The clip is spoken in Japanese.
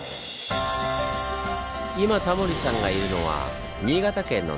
今タモリさんがいるのは新潟県の長岡駅。